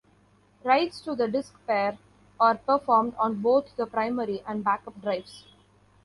Writes to the disk pair are performed on both the primary and backup drives.